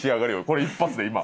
これ一発で今。